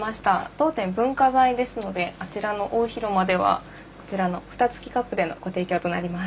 当店文化財ですのであちらの大広間ではこちらの蓋つきカップでのご提供となります。